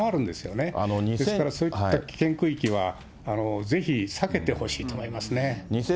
ですから、そういった危険区域はぜひ避けてほしいと思いますね。